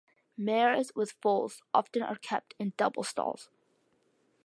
Mares with foals often are kept in double stalls.